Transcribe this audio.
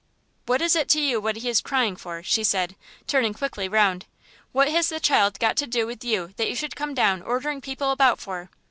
"What is it to you what he is crying for?" she said, turning quickly round. "What has the child got to do with you that you should come down ordering people about for?